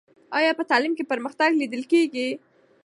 آیا په تعلیم کې پرمختګ لیدل کېږي؟